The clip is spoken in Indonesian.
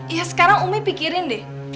iya sekarang umi pikirin deh